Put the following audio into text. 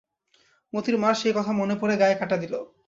মোতির মার সেই কথা মনে পড়ে গায়ে কাঁটা দিলে।